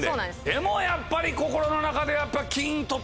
でもやっぱり心の中では。